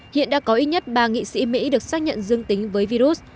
hiện đã có ít nhất ba nghị sĩ mỹ được xác nhận dương tính với virus